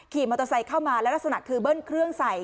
ขี่มอเตอร์ไซค์เข้ามาแล้วลักษณะคือเบิ้ลเครื่องใส่